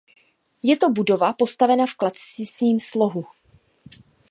Je to budova postavena v klasicistním slohu.